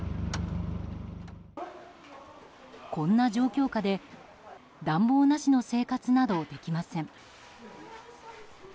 こんな状況下で暖房なしの生活などできません。